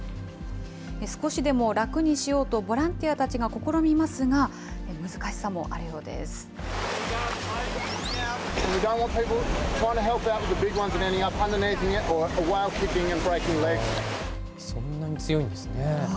少しでも楽にしようと、ボランティアたちが試みますが、難しさもそんなに強いんですね。